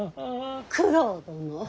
九郎殿。